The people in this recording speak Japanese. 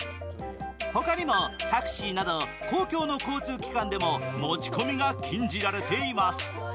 他にも、タクシーなど公共の交通機関でも持ち込みが禁じられています。